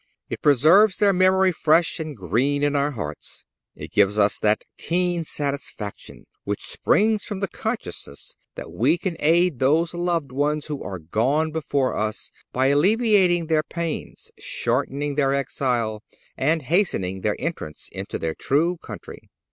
It preserves their memory fresh and green in our hearts. It gives us that keen satisfaction which springs from the consciousness that we can aid those loved ones who are gone before us by alleviating their pains, shortening their exile, and hastening their entrance into their true country.